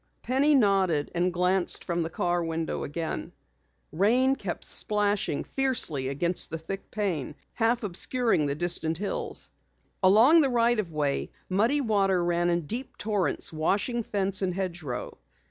Penny nodded and glanced from the car window again. Rain kept splashing fiercely against the thick pane, half obscuring the distant hills. Along the right of way, muddy water ran in deep torrents, washing fence and hedgerow.